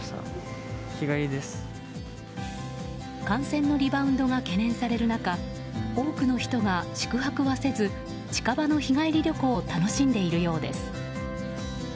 感染のリバウンドが懸念される中多くの人が宿泊はせず近場の日帰り旅行を楽しんでいるようです。